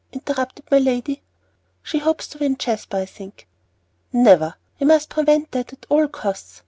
interrupted my lady. "She hopes to win Jasper, I think." "Never! We must prevent that at all costs.